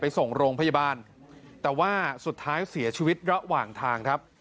ส่งโรงพยาบาลแต่ว่าสุดท้ายเสียชีวิตระหว่างทางครับ